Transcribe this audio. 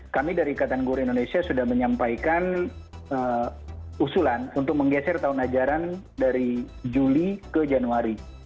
kami dari ikatan guru indonesia sudah menyampaikan usulan untuk menggeser tahun ajaran dari juli ke januari